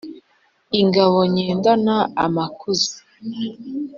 Ingabo nyendana amakuza